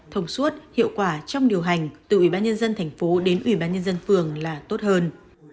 thông suốt hiệu quả trong điều hành từ ủy ban nhân dân thành phố đến ủy ban nhân dân phường là tốt hơn